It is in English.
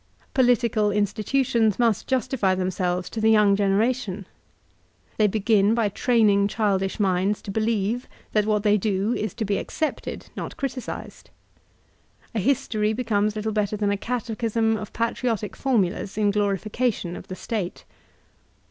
Polit ical institutions must justify themselves to the young generation. They b^^ by training childish minds to be lieve that what they do is to be accepted, not criticised. A history becomes little better than a catechism of patri otic formulas in glorification of the State.